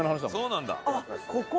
そうなんだ。